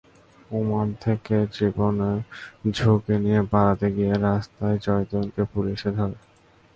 Oman থেকে জীবনের ঝুঁকি নিয়ে পালাতে গিয়ে রাস্তায় জয়তুনকে পুলিশে ধরে।